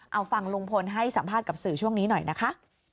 เอาฟังลุงพลให้สัมภาษณ์กับสื่อช่วงนี้หน่อยนะคะ